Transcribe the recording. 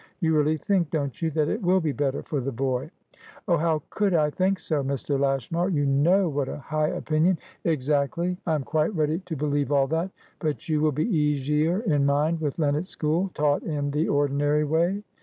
You really think, don't you, that it will be better for the boy?" "Oh, how could I think so, Mr. Lashmar! You know what a high opinion" "Exactly. I am quite ready to believe all that. But you will be easier in mind with Len at school, taught in the ordinary way?